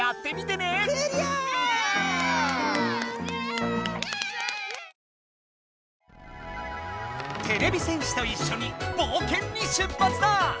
てれび戦士といっしょに冒険に出発だ！